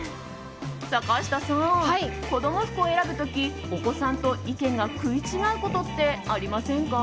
坂下さん、子供服を選ぶ時お子さんと意見が食い違うことってありませんか？